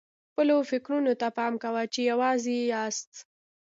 خپلو فکرونو ته پام کوه چې یوازې یاست.